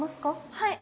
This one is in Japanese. はい。